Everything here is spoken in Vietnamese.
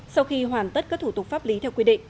sau khi hoàn tất các thủ tục pháp lý theo quy định